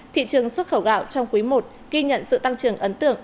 thị trường xuất khẩu gạo trong quý i ghi nhận sự tăng trưởng ấn tượng